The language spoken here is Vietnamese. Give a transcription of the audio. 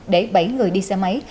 để bảy người đi xe máy